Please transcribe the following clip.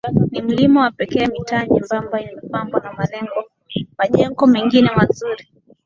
Ni milima ya pekee mitaa myembamba inapambwa na majengo mengine mazuri